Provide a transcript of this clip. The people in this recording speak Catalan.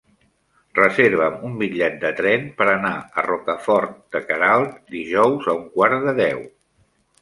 Reserva'm un bitllet de tren per anar a Rocafort de Queralt dijous a un quart de deu.